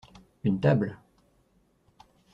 Une table.